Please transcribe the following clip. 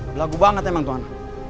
belagu banget emang tuhan